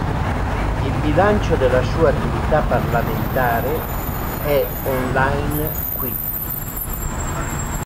Il bilancio della sua attività parlamentare è online qui.